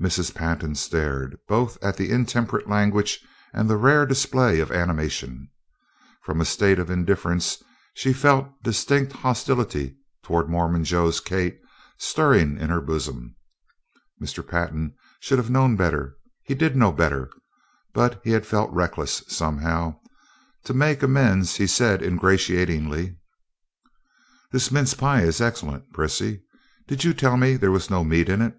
Mrs. Pantin stared, both at the intemperate language and the rare display of animation. From a state of indifference, she felt distinct hostility toward Mormon Joe's Kate stirring in her bosom. Mr. Pantin should have known better he did know better but he had felt reckless, somehow. To make amends he said ingratiatingly: "This mince pie is excellent, Prissy! Did you tell me there was no meat in it?"